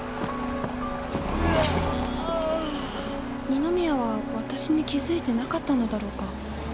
二宮は私に気付いてなかったのだろうか